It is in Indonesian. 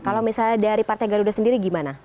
kalau misalnya dari partai garuda sendiri gimana